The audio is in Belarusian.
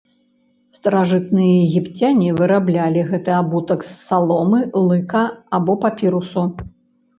Старажытныя егіпцяне выраблялі гэты абутак з саломы, лыка або папірусу.